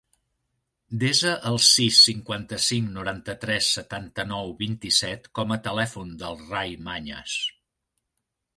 Desa el sis, cinquanta-cinc, noranta-tres, setanta-nou, vint-i-set com a telèfon del Rai Mañes.